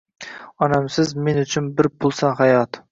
Onamsiz men uchun bir pulsan hayot!